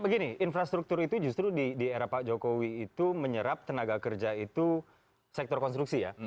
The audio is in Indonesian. begini infrastruktur itu justru di era pak jokowi itu menyerap tenaga kerja itu sektor konstruksi ya